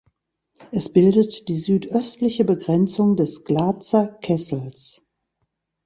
Es bildet die südöstliche Begrenzung des Glatzer Kessels.